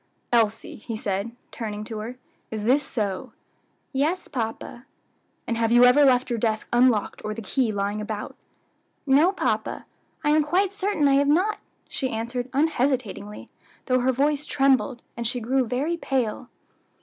"Elsie," he asked, turning to her, "is this so?" "Yes, papa." "And have you ever left your desk unlocked, or the key lying about?" "No, papa. I am quite certain I have not," she answered unhesitatingly, though her voice trembled, and she grey very pale.